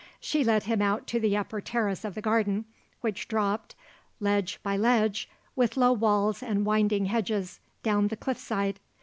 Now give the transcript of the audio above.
She led him out to the upper terrace of the garden, which dropped, ledge by ledge, with low walls and winding hedges, down the cliff side.